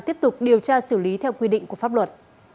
tiếp tục điều tra xử lý theo quy định của pháp luật